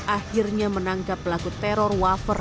akhirnya menangkap pelaku teror wafer